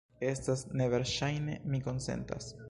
Estas neverŝajne; mi konsentas.